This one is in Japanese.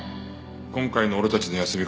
今回の俺たちの休み方